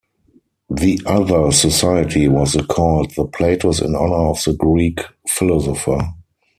The other society was the called the Platos in honor of the Greek philosopher.